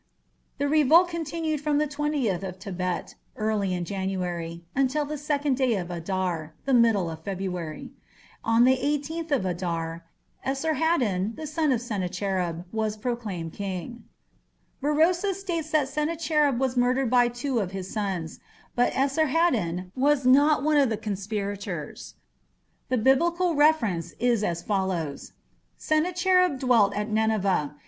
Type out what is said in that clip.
The revolt continued from the "20th of Tebet" (early in January) until the 2nd day of Adar (the middle of February). On the 18th of Adar, Esarhaddon, son of Sennacherib, was proclaimed king. Berosus states that Sennacherib was murdered by two of his sons, but Esarhaddon was not one of the conspirators. The Biblical reference is as follows: "Sennacherib ... dwelt at Nineveh.